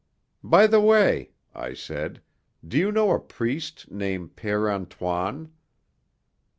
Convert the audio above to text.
"By the way," I said, "do you know a priest named Père Antoine?"